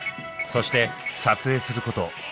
そして撮影すること１時間。